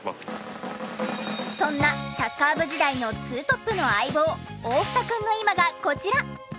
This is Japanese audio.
そんなサッカー部時代の２トップの相棒大房くんの今がこちら。